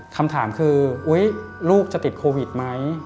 คำถามคือลูกจะติดโควิดไหม